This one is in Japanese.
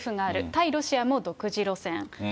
対ロシアも独自路線。